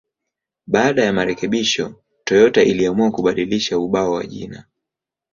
Baada ya marekebisho, Toyota iliamua kubadilisha ubao wa jina.